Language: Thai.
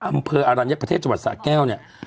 อำเภออรัญญประเทศจังหวัดสะแก้วเนี่ย